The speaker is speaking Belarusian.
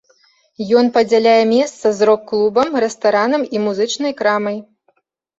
Ён падзяляе месца з рок-клубам, рэстаранам і музычнай крамай.